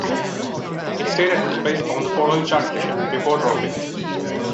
It stayed at this place on the following chart edition, before dropping.